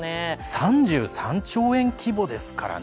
３３兆円規模ですからね。